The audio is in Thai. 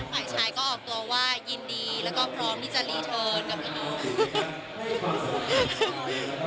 ฝ่ายชายก็ออกตัวว่ายินดีแล้วก็พร้อมที่จะรีเทิร์นกับน้อง